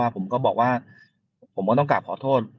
ผมก็บอกว่าผมก็ต้องกลับขอโทษ